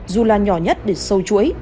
dù là nhỏ nhất để sâu chuỗi